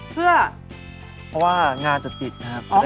เพื่อเพราะว่างาจะติดนะครับ